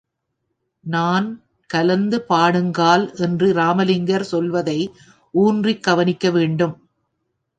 நான் கலந்து பாடுங்கால் என்று இராமலிங்கர் சொல்வதை ஊன்றிக் கவனிக்க வேண்டும்.